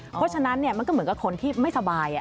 เพราะฉะนั้นมันก็เหมือนกับคนที่ไม่สบาย